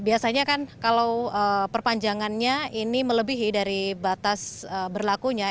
biasanya kan kalau perpanjangannya ini melebihi dari batas berlakunya